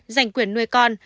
dành quyền nuôi con